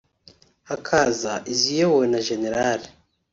hakaza iziyobowe na Gen